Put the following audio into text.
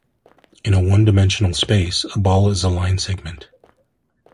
In a one-dimensional space, a ball is a line segment.